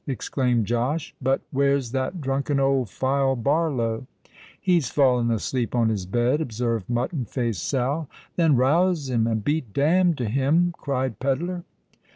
exclaimed Josh. "But where's that drunken old file Barlow?" "He's fallen asleep on his bed," observed Mutton Face Sal. "Then rouse him—and be damned to him!" cried Pedler.